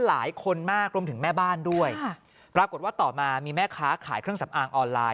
หลายคนมากรวมถึงแม่บ้านด้วยปรากฏว่าต่อมามีแม่ค้าขายเครื่องสำอางออนไลน